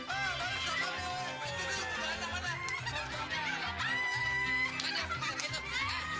ah baru sudah ketemu